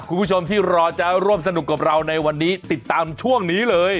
คุณผู้ชมที่รอจะร่วมสนุกกับเราในวันนี้ติดตามช่วงนี้เลย